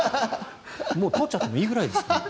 もう通っちゃってもいいぐらいです。